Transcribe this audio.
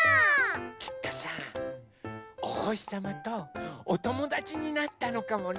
きっとさおほしさまとおともだちになったのかもね。